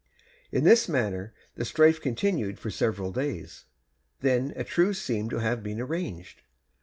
In this manner the strife continued for several days. Then a truce seemed to have been arranged.